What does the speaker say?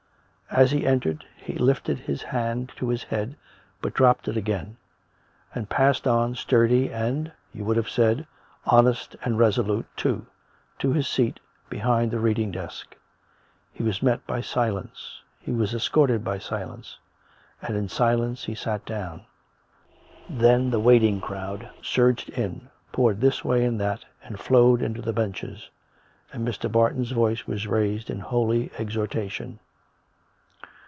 As he entered he lifted his hand to his head, but dropped it again; and passed on, sturdy, and (you would have said) honest and resolute too, to his seat behind the reading desk. He was met by silence; he was escorted by silence; and in silence he sat down. Then the waiting crowd surged in, poured this way and that, and flowed into the benches., And Mr. Barton's voice was raised in holy exhortation.